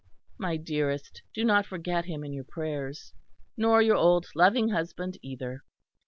My dearest, do not forget him in your prayers nor your old loving husband either."